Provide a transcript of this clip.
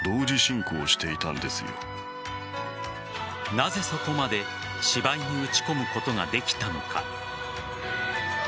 なぜ、そこまで芝居に打ち込むことができたのか。